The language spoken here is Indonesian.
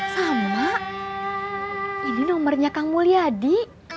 sama ini nomornya kang mulyadi